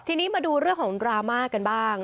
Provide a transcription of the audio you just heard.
ทีนี้มาดูเรื่องของดราม่ากันบ้าง